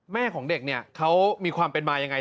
แม่ของเด็กเขามีความเป็นมาอย่างไร